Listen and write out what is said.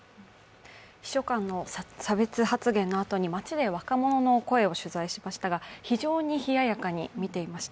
秘書官の差別発言のあとに街で若者の声を取材しましたが非常に冷やかに見ていました。